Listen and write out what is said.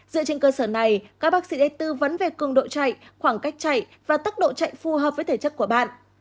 dựa trên cơ sở này các bác sĩ sẽ tư vấn về cường độ chạy khoảng cách chạy và tốc độ chạy phù hợp với thể chất của bạn